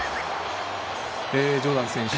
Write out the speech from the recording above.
ジョーダン選手